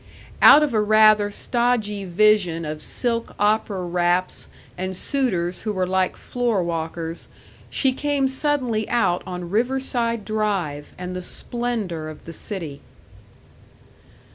Out of a rather stodgy vision of silk opera wraps and suitors who were like floor walkers, she came suddenly out on Riverside Drive and the splendor of the city.